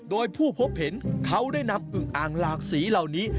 โดยผู้พบเห็นเขาได้นำอึงอ่างหลากสีเหล่านี้